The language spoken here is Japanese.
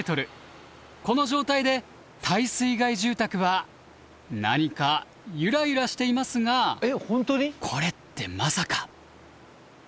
この状態で耐水害住宅は何かゆらゆらしていますがこれってまさか。